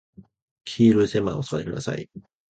黄色い線までお下がりください。